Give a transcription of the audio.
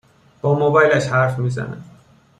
با موبایلش حرف می زند